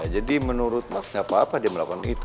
jadi menurut mas nggak apa apa dia melakukan itu